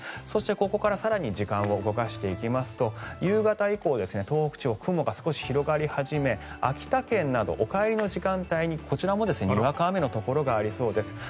そして、ここから更に時間を動かしていきますと夕方以降東北地方、雲が少し広がり始め秋田県などお帰りの時間帯にこちらも、にわか雨のところがありそうです。